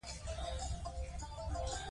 ښځو ډوډۍ پخوله.